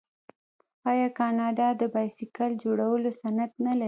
آیا کاناډا د بایسکل جوړولو صنعت نلري؟